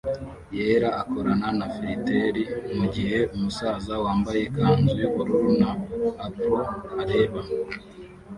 yera akorana na filteri mugihe umusaza wambaye ikanzu yubururu na apron areba